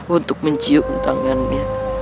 untuk mencium tangannya